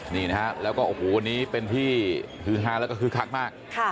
นี่นะฮะแล้วก็วันนี้เป็นที่ฮึฮารเฬ่าคือคากมาก